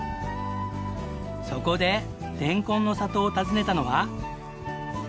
そこでれんこんの里を訪ねたのは。